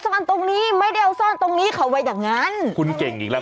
ช่วยเจียมช่วยเจียมช่วยเจียม